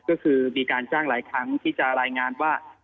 ก็คือมีการจ้างหลายครั้งที่จะรายงานว่า